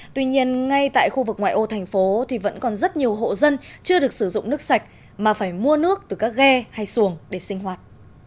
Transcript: tuy nhiên ngay tại khu vực ngoại ô thành phố thì vẫn còn rất nhiều hộ dân chưa được sử dụng nước sạch mà phải mua nước từ các ghe hay xuồng để sinh hoạt